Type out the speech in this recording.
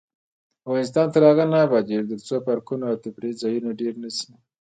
افغانستان تر هغو نه ابادیږي، ترڅو پارکونه او تفریح ځایونه ډیر نشي.